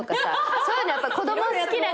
そういうのやっぱ子供好きだから。